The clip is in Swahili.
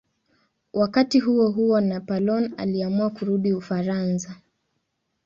Wakati huohuo Napoleon aliamua kurudi Ufaransa.